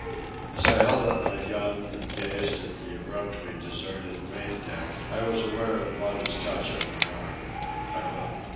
As I held up my gun and gazed at the abruptly deserted main deck I was aware of Wada's touch on my arm. I looked.